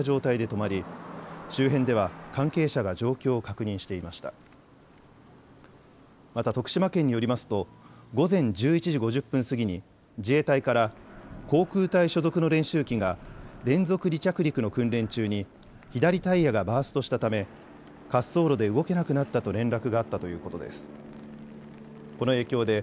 また徳島県によりますと午前１１時５０分過ぎに自衛隊から航空隊所属の練習機が連続離着陸の訓練中に左タイヤがバーストしたため滑走路で動けなくなったと連絡があったということです。